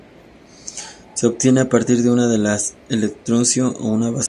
Se obtiene a partir de una sal de estroncio y una base fuerte.